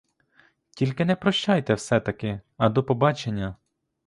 Тільки не прощайте все-таки, а до побачення!